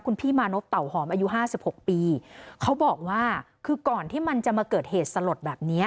คุณพี่มานพเต่าหอมอายุห้าสิบหกปีเขาบอกว่าคือก่อนที่มันจะมาเกิดเหตุสลดแบบเนี้ย